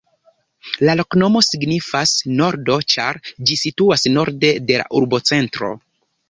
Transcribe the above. La loknomo signifas: nordo, ĉar ĝi situas norde de la urbocentro.